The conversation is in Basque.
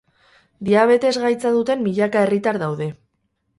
Diabetes gaitza duten milaka herritar daude.